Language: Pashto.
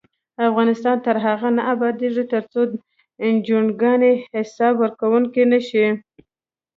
افغانستان تر هغو نه ابادیږي، ترڅو انجوګانې حساب ورکوونکې نشي.